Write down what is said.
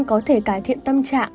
có thể cải thiện tâm trạng